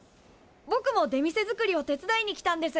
ぼくも出店作りを手伝いに来たんです。